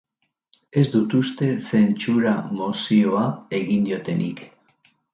Ez dut uste zentsura-mozioa egin diotenik.